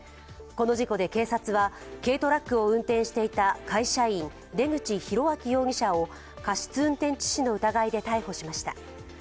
この事故で警察は、軽トラックを運転していた会社員、出口博章容疑者を過失運転致死の疑いで逮捕しました。